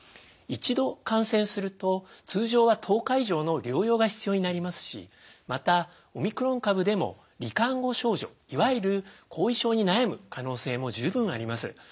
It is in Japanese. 一度感染すると通常は１０日以上の療養が必要になりますしまたオミクロン株でも罹患後症状いわゆる後遺症に悩む可能性も十分あります。